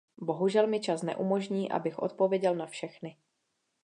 Bohužel mi čas neumožní, abych odpověděl na všechny.